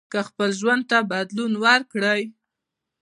که خپل ژوند ته بدلون ورکړئ